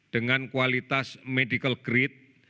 dengan kualitas medical grade